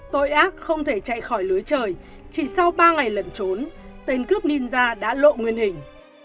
tội ác không thể chạy khỏi lưới trời chỉ sau ba ngày lẩn trốn tên cướp ninza đã lộ nguyên hình